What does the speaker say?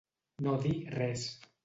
No dir res.